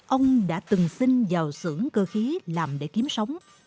ông đã từng sinh vào xưởng cơ khí làm để kiếm sống